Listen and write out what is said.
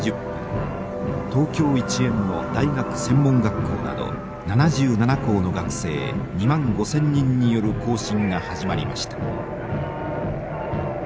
東京一円の大学専門学校など７７校の学生２万５，０００人による行進が始まりました。